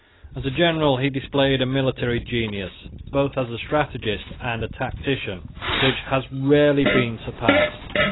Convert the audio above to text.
As a general he displayed a military genius, both as a strategist and a tactician, which has been rarely surpassed.